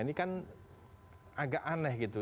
ini kan agak aneh gitu